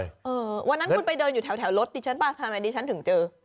เออวันนั้นคุณไปเดินอยู่แถวรถดิฉันป่ะทำไมดิฉันถึงเจอ